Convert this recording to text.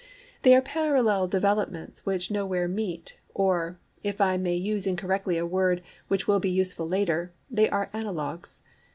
They are parallel developments which nowhere meet, or, if I may use incorrectly a word which will be useful later, they are analogues.